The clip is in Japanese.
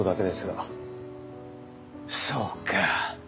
そうか。